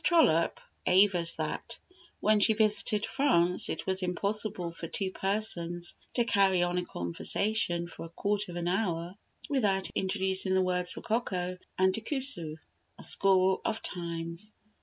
Trollope avers that, when she visited France, it was impossible for two persons to carry on a conversation for a quarter of an hour without introducing the words rococo and décousu a score of times.